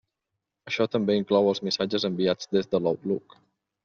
Això també inclou els missatges enviats des de l'Outlook.